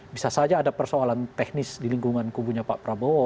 bisa saja ada persoalan teknis di lingkungan kubunya pak prabowo